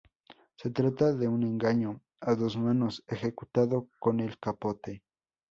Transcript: Se trata de un engaño a dos manos ejecutado con el capote.